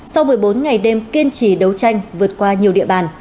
sau một mươi bốn ngày đêm kiên trì đấu tranh vượt qua nhiều địa bàn